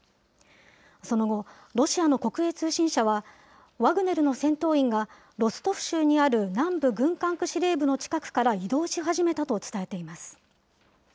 その後、ロシアの国営通信社は、ワグネルの戦闘員がロストフ州にある南部軍管区司令部の近くから移動し始めたと伝えています。